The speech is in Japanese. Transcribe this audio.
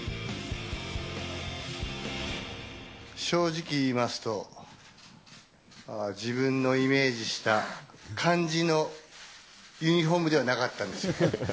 正直言いますと、自分のイメージした感じのユニホームではなかったんですよ。